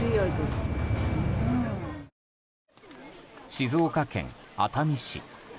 静岡県熱海市。